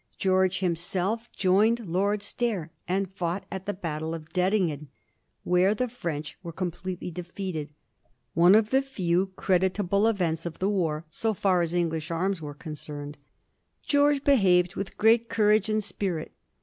George himself joined Lord Stair and fought at the battle of Dettiugen, where tue l^'rench were completely defeated ; one of the few creditable events of the war, so far as English arms were concerned. George behaved with great courage and spirit.